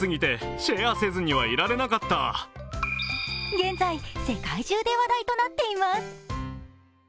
現在、世界中で話題となっています。